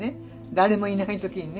誰もいない時にね。